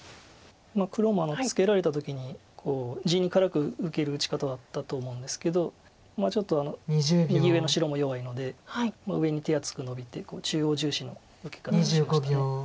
黒もツケられた時に地に辛く受ける打ち方だったと思うんですけどちょっと右上の白も弱いので上に手厚くノビて中央重視の受け方しました。